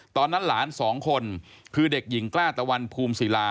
ตอนนั้นหลานสองคนคือเด็กหญิงกล้าตะวันภูมิศิลา